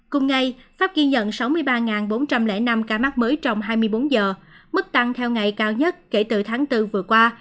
cùng ngày pháp ghi nhận sáu mươi ba bốn trăm linh năm ca mắc mới trong hai mươi bốn giờ mức tăng theo ngày cao nhất kể từ tháng bốn vừa qua